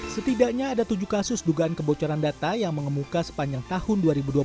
setidaknya ada tujuh kasus dugaan kebocoran data yang mengemuka sepanjang tahun dua ribu dua puluh satu